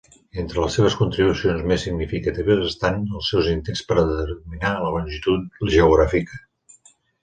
Entre les seves contribucions més significatives estan els seus intents per determinar la longitud geogràfica.